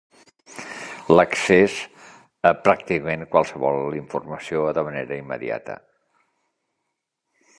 L'accés a pràcticament qualsevol informació de manera immediata.